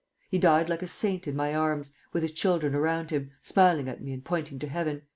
He died like a saint in my arms, with his children around him, smiling at me and pointing to heaven."